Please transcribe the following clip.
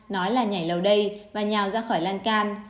nói là nhảy lầu đây và nhào ra khỏi lan can